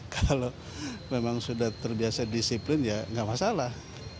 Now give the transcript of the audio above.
kalau memang sudah terbiasa disiplin ya nggak masalah